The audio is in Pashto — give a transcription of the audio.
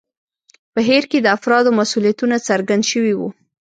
په هیر کې د افرادو مسوولیتونه څرګند شوي وو.